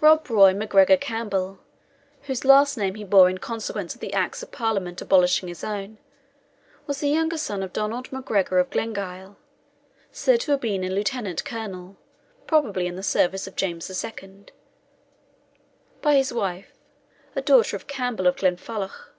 Rob Roy MacGregor Campbell, which last name he bore in consequence of the Acts of Parliament abolishing his own, was the younger son of Donald MacGregor of Glengyle, said to have been a Lieutenant Colonel (probably in the service of James II.), by his wife, a daughter of Campbell of Glenfalloch.